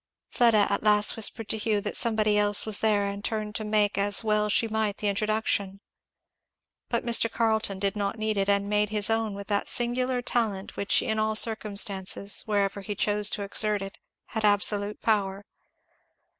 Fleda at last whispered to Hugh that somebody else was there and turned to make as well as she might the introduction. But Mr. Carleton did not need it, and made his own with that singular talent which in all circumstances, wherever he chose to exert it, had absolute power.